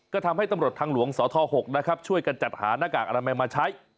ก็ทำให้ตำรวจทางหลวงสท๖นะครับช่วยกันจัดหาหน้ากากอนามัยมาใช้